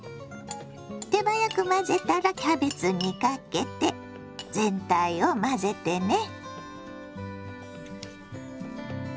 手早く混ぜたらキャベツにかけて全体を混ぜてね。